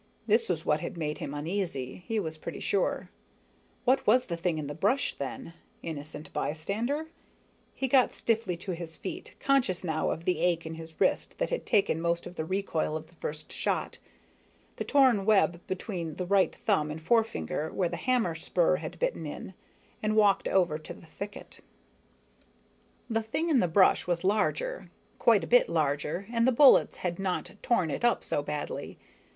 This was what had made him uneasy, he was pretty sure. What was the thing in the brush, then? Innocent bystander? He got stiffly to his feet, conscious now of the ache in his wrist that had taken most of the recoil of the first shot, the torn web between his right thumb and forefinger where the hammer spur had bitten in; and walked over to the thicket. The thing in the brush was larger, quite a bit larger, and the bullets had not torn it up so badly.